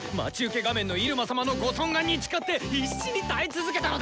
画面のイルマ様のご尊顔に誓って必死に耐え続けたのだ！